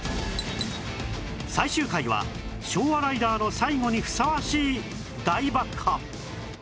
最終回は昭和ライダーの最後にふさわしい大爆破